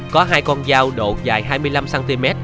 có hai con dao độ dài hai mươi năm cm